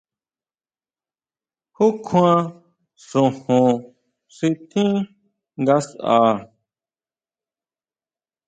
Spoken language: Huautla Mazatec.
¿Ju kjuan xojon xi tjín ngasʼa?